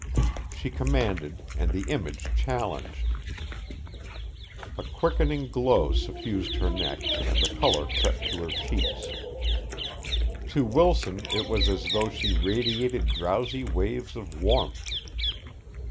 She commanded and the image challenged. A quickening glow suffused her neck and the color crept to her cheeks. To Wilson it was as though she radiated drowsy waves of warmth.